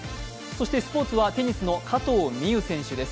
スポーツはテニスの加藤未唯選手です。